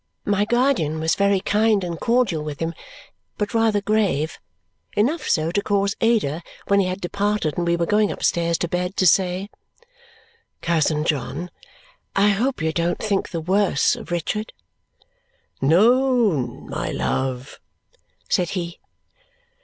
My guardian was very kind and cordial with him, but rather grave, enough so to cause Ada, when he had departed and we were going upstairs to bed, to say, "Cousin John, I hope you don't think the worse of Richard?" "No, my love," said he.